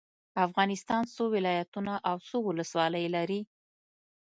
افغانستان څو ولايتونه او څو ولسوالي لري؟